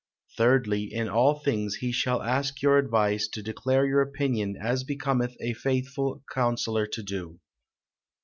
"Thyrdly, in all things he shall aske your aduyse to declare your opinion as becometh a faythfull conceyllour to do.